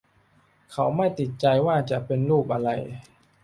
เขาไม่ติดใจว่าจะเป็นรูปอะไร